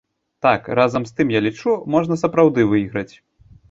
Так, разам з тым я лічу, можна сапраўды выйграць.